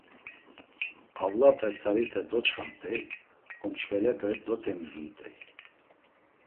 Avlape tzarite doçxamt̆ey, omç̌velepe dotemizumt̆ey.